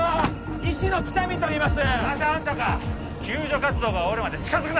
医師の喜多見といいますまたあんたか救助活動が終わるまで近づくな！